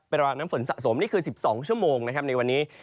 ระวังน้ำฝนสะสมนี่คือ๑๒ชั่วโมงนะครับในวันนี้